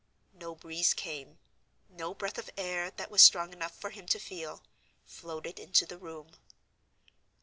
No breeze came; no breath of air that was strong enough for him to feel, floated into the room.